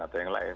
atau yang lain